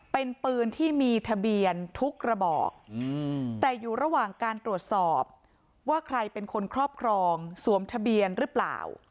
เป็นปืนที่มีทะเบียนทุกระบอกแต่อยู่ระหว่างการตรวจสอบว่าใครเป็นคนครอบครองสวมทะเบียนหรือเปล่า